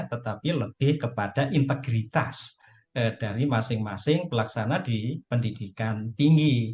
tetapi lebih kepada integritas dari masing masing pelaksana di pendidikan tinggi